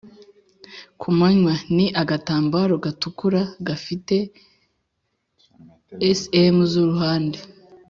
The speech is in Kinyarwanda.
kumanywa:ni agatambaro gatukura gafite cm z’uruhande